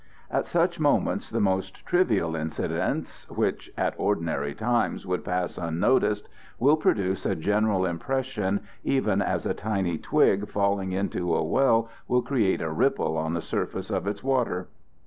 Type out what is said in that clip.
At such moments the most trivial incidents, which at ordinary times would pass unnoticed, will produce a general impression, even as a tiny twig falling into a well will create a ripple on the surface of its water.